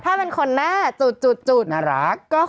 พี่ขับรถไปเจอแบบ